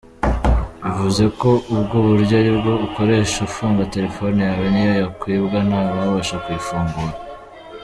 Bivuze ko ubwo buryo aribwo ukoresha ufunga telefone yawe niyo yakwibwa nta wabasha kuyifungura.